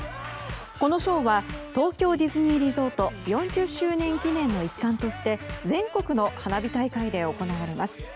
このショーは東京ディズニーリゾート４０周年記念の一環として全国の花火大会で行われます。